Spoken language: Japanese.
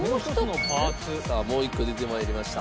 さあもう１個出て参りました。